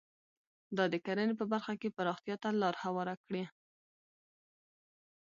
دا د کرنې په برخه کې پراختیا ته لار هواره کړه.